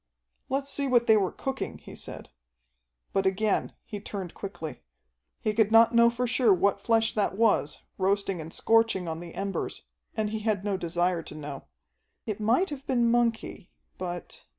"Let's see what they were cooking," he said. But again he turned quickly. He could not know for sure what flesh that was, roasting and scorching on the embers, and he had no desire to know. It might have been monkey, but